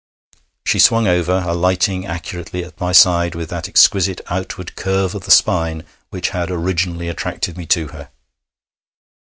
She swung over, alighting accurately at my side with that exquisite outward curve of the spine which had originally attracted me to her.